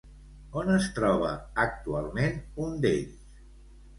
On es troba actualment un d'ells?